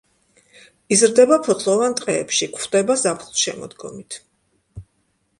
იზრდება ფოთლოვან ტყეებში, გვხვდება ზაფხულ-შემოდგომით.